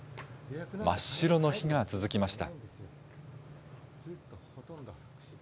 真っ白の日が続きました。